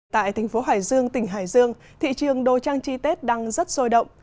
tại thành phố hải dương tỉnh hải dương thị trường đồ trang trí tết đang rất sôi động